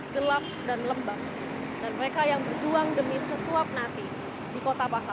gelap dan lembab dan mereka yang berjuang demi sesuap nasi di kota pakrawan hai hai